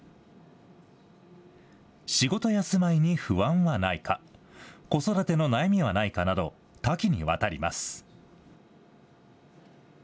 仕事や住まいに不安はないか、子育ての悩みはないかなど、多岐にわたります。